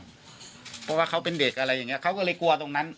เพราะว่าเขาเป็นเด็กอะไรอย่างนี้เขาก็เลยกลัวตรงนั้น